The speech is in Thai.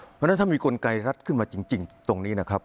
เพราะฉะนั้นถ้ามีกลไกรรัฐขึ้นมาจริงตรงนี้นะครับ